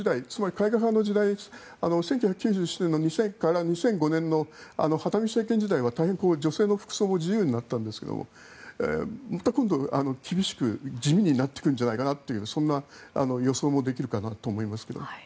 １９９７年から２００５年のハタミ政権時代は大変女性の服装も自由になったんですがまた今度厳しく地味になってくるんじゃないかというそんな予想もできるかなと思いますけれども。